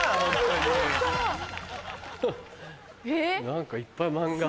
何かいっぱい漫画。